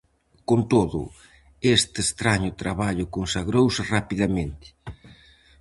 Con todo, este estraño traballo consagrouse rapidamente.